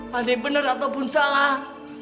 honey bener ataupun salah